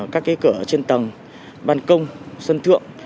các cửa trên tầng bàn công sân thượng